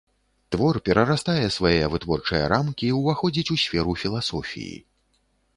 Твор перарастае свае вытворчыя рамкі і ўваходзіць у сферу філасофіі.